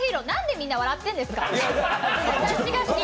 何でみんな笑ってるんですか！